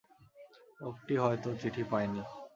লোকটি হয়তো চিঠি পায় নি।